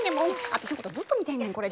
私のことずっと見てんねんこれで。